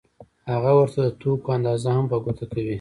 هغه ورته د توکو اندازه هم په ګوته کوي